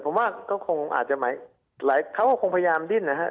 เขาคงพยายามดิ้นนะครับ